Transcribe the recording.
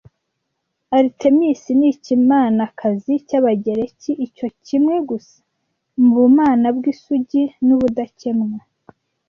Artemisi ni Ikimanakazi cy'Abagereki icyo - kimwe gusa mu Bumana Bwisugi n'Ubudakemwa